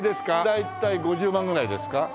大体５０万ぐらいですか？